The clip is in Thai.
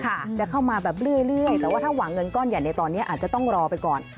จะเข้ามาแบบเรื่อยแต่ว่าถ้าหวังเงินก้อนใหญ่ในตอนนี้อาจจะต้องรอไปก่อน